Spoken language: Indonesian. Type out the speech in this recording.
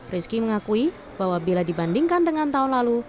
rizky mengakui bahwa bila dibandingkan dengan tahun lalu